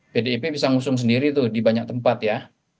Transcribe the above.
pdip bisa ngusung sendiri tuh di banyak tempat ya